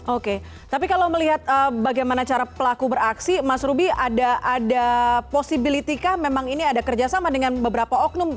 oke tapi kalau melihat bagaimana cara pelaku beraksi mas ruby ada possibility kah memang ini ada kerjasama dengan beberapa oknum